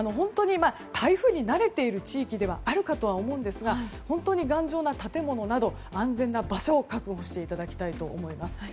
台風に慣れている地域ではあるかと思いますが本当に頑丈な建物など安全な場所を確保してもらいたいと思います。